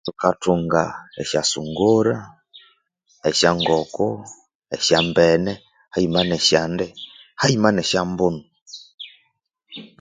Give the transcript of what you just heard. Thukathunga esyasungura esyangoko esyambene hayima ne syande hayima ne syambunu